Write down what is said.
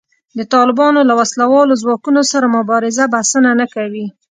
د طالبانو له وسله والو ځواکونو سره مبارزه بسنه نه کوي